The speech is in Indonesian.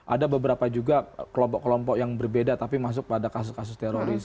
ada beberapa juga kelompok kelompok yang berbeda tapi masuk pada kasus kasus teroris